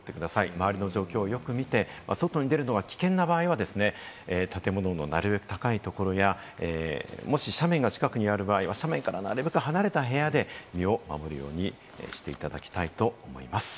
周りの状況をよく見て外に出るのが危険な場合は建物のなるべく高いところやもし斜面が近くにある場合は斜面からなるべく離れた部屋で身を守るようにしていただきたいと思います。